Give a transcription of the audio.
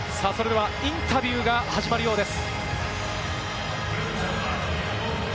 それではインタビューが始まるようです。